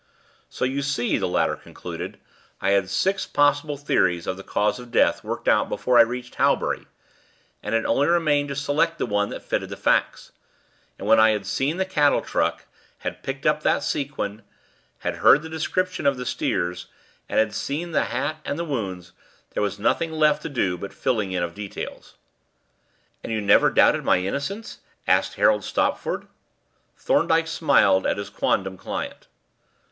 "So, you see," the latter concluded, "I had six possible theories of the cause of death worked out before I reached Halbury, and it only remained to select the one that fitted the facts. And when I had seen the cattle truck, had picked up that sequin, had heard the description of the steers, and had seen the hat and the wounds, there was nothing left to do but the filling in of details." "And you never doubted my innocence?" asked Harold Stopford. Thorndyke smiled at his quondam client.